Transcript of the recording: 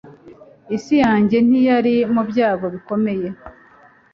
isi yanjye ntiyari mu byago bikomeye